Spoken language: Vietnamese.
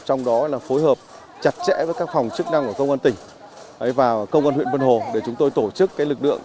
trong đó là phối hợp chặt chẽ với các phòng chức năng của công an tỉnh và công an huyện vân hồ để chúng tôi tổ chức lực lượng